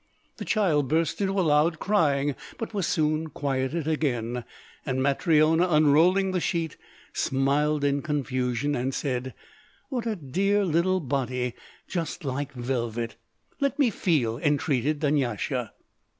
The child burst into loud crying, but was soon quieted again, and Matryona, unrolling the sheet, smiled in confusion, and said: "What a dear little body, just like velvet." "Let me feel," entreated Dunyasha.